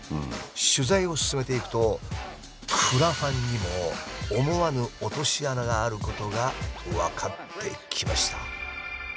取材を進めていくとクラファンにも思わぬ落とし穴があることが分かってきました。